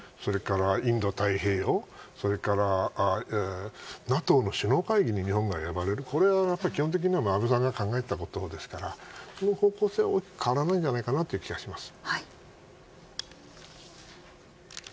インド太平洋ＮＡＴＯの首脳会議に日本が呼ばれるこれは基本的に安倍さんが考えたことですからその方向性は変わらないんじゃないかなっていう気がします。